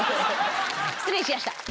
失礼しやした。